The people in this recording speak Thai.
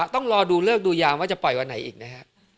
ต้องรอดูเลิกดูยามว่าจะปล่อยวันไหนอีกนะฮะ